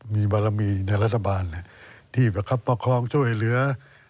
มีบารมีในรัฐบาลที่ประคับประคองช่วยเหลือ